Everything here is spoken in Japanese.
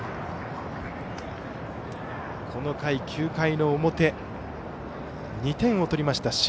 この回、９回の表２点を取りました